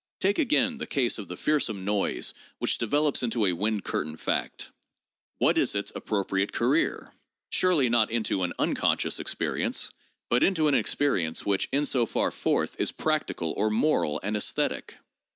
Take again the case of the fearsome noise which develops into a wind curtain fact. What is its appropriate career? Surely not into an 'unconscious experience,' but into an experience which in so far forth is practical (or moral) and esthetic.